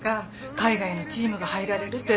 海外のチームが入られるって。